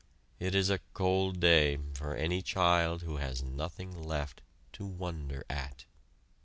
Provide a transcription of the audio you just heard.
It is a cold day for any child who has nothing left to wonder at.